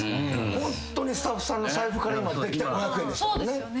ホントにスタッフさんの財布から今出てきた５００円でしたもんね。